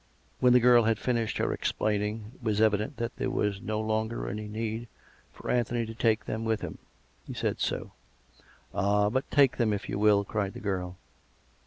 When the girl had finished her explaining, it was evi dent that there was no longer any need for Anthony to take them with him. He said so. " Ah ! but take them, if you will," cried the girl.